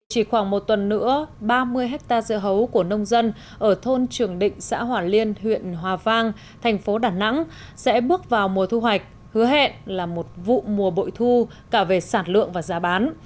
chỉ khoảng một tuần nữa ba mươi hectare dưa hấu của nông dân ở thôn trường định xã hòa liên huyện hòa vang thành phố đà nẵng sẽ bước vào mùa thu hoạch hứa hẹn là một vụ mùa bội thu cả về sản lượng và giá bán